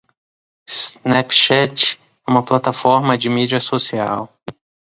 Snapchat é uma plataforma de mídia social.